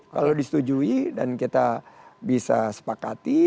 kalau disetujui dan kita bisa sepakati